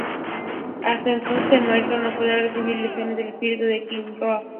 Hasta entonces el Maestro no podrá recibir lecciones del espíritu de Qui-Gon Jinn.